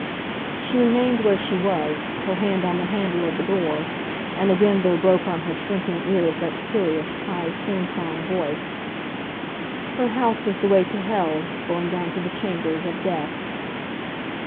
She remained where she was, her hand on the handle of the door, and again there broke on her shrinking ears that curious, high, sing song voice, "Her house is the way to hell, going down to the chambers of death."